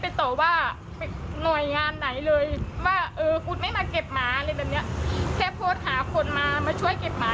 เพราะว่าหนัวไม่จับหมาไม่จับแมว